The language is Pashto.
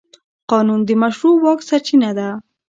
قانون د مشروع واک سرچینه ده.